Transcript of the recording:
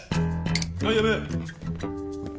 はいやめ！